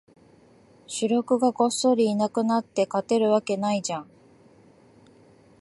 主力がごっそりいなくなって、勝てるわけないじゃん